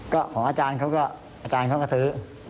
ก็ของอาจารย์เขาก็ซื้อ